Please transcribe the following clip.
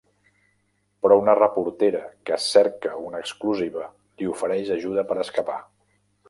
Però una reportera que cerca una exclusiva li ofereix ajuda per escapar.